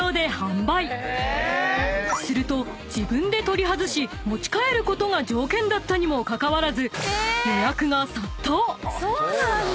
［すると自分で取り外し持ち帰ることが条件だったにもかかわらず］